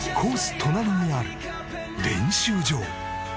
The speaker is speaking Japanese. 隣にある練習場。